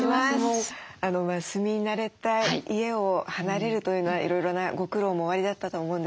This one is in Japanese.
住み慣れた家を離れるというのはいろいろなご苦労もおありだったと思うんですけれども。